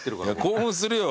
興奮するよ